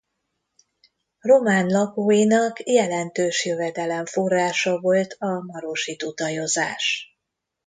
Román lakóinak jelentős jövedelemforrása volt a marosi tutajozás.